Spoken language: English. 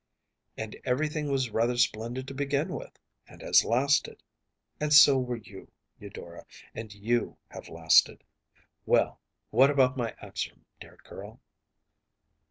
‚ÄĚ “And everything was rather splendid to begin with, and has lasted. And so were you, Eudora, and you have lasted. Well, what about my answer, dear girl?